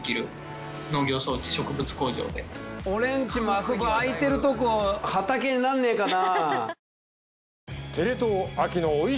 俺ん家もあそこ空いてるところ畑にならねえかな？